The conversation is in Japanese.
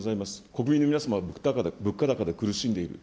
国民の皆様、物価高で苦しんでいる。